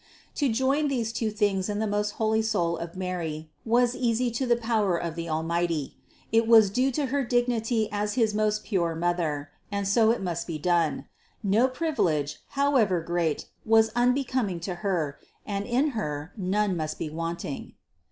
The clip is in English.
To join these two things in the most holy soul of Mary was easy to the power of the Almighty ; it was due to her dignity as his most pure Mother, and so it must be done : no privilege, however great, was unbecoming to Her ; and in Her none must be wanting.